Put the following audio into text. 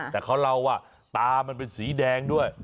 แต่เขาเล่าว่าตามันเป็นสีแดงด้วย